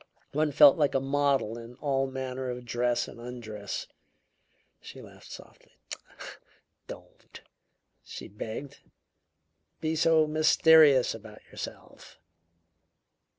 One felt like a model in all manner of dress and undress. She laughed softly. "Don't," she begged, "be so mysterious about yourself!